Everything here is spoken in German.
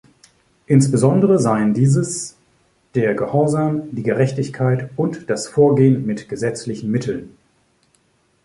Insbesondere seien dieses der Gehorsam, die Gerechtigkeit und das Vorgehen mit gesetzlichen Mitteln.